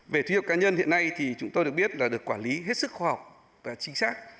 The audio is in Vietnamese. về thu nhập cá nhân hiện nay thì chúng tôi được biết là được quản lý hết sức khoa học và chính xác